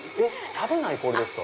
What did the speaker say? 食べない氷ですか？